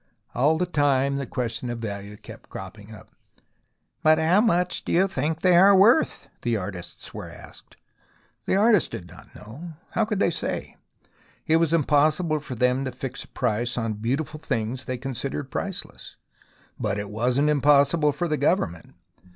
All the time the question of value kept cropping up. " How much do you think they are worth ?" the artists were asked. The artists did not know. How could they say ? It was impossible for them to fix a price on beautiful things they considered priceless. But it was not impossible for the Government.